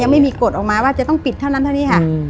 ไม่มีกฎออกมาว่าจะต้องปิดเท่านั้นเท่านี้ค่ะ